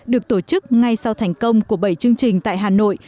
được tổ chức ngay sau thành công của bảy chương trình tại hà nội